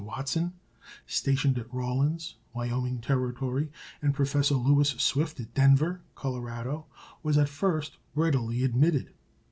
Watson, stationed at Rawlins (Wyoming Territory), and Professor Lewis Swift at Denver (Colorado) was at first readily admitted.